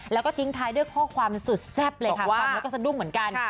แล้วก็ทิ้งท้ายด้วยข้อความสุดแซ่บเลยค่ะฟังแล้วก็สะดุ้งเหมือนกัน